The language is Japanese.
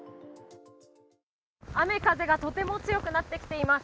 雨風がとても強くなってきています。